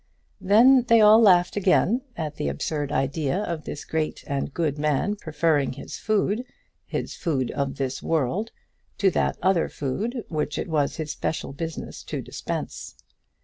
Then they all laughed again at the absurd idea of this great and good man preferring his food, his food of this world, to that other food which it was his special business to dispense.